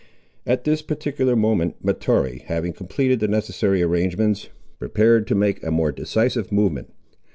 At this particular moment Mahtoree, having completed the necessary arrangements, prepared to make a more decisive movement.